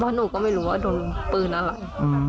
หนูก็ไม่รู้ว่าโดนปืนอะไร